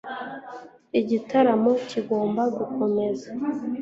Igitaramo kigomba gukomeza